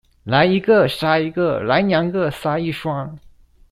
來一個殺一個、來兩個殺一雙